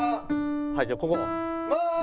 はいじゃあここも。